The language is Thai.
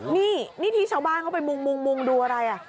นี่นี่ที่ชาวบ้านเขาไปมุ่งดูอะไร